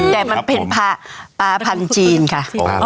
แต่มันเป็นปลาพันธุ์จีนค่ะ